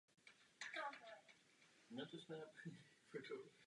Zamrzá na konci listopadu a rozmrzá ve druhé polovině března až v dubnu.